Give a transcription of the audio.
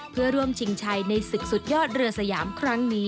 เพื่อร่วมชิงชัยในศึกสุดยอดเรือสยามครั้งนี้